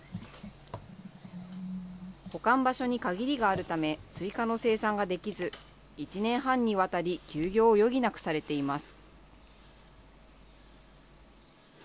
保管場所に限りがあるため、追加の生産ができず、１年半にわたり、休業を余儀なくされています。